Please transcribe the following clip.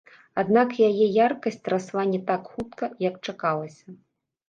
Аднак яе яркасць расла не так хутка, як чакалася.